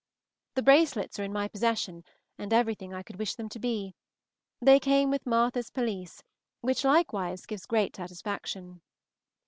The bracelets are in my possession, and everything I could wish them to be. They came with Martha's pelisse, which likewise gives great satisfaction.